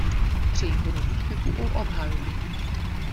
Přeji hodně úspěchu u obhajoby.